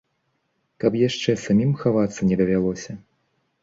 Каб яшчэ самім хавацца не давялося.